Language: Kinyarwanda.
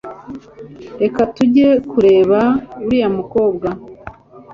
reka tujye kureba uriya mukobwa